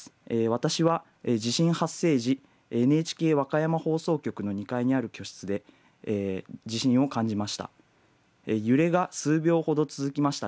私は地震発生時、ＮＨＫ和歌山放送局の２階にある居室で地震を感じました。